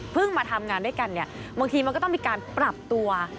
มาทำงานด้วยกันเนี่ยบางทีมันก็ต้องมีการปรับตัว